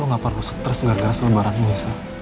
lu gak perlu stress gara gara selebaran lo larinya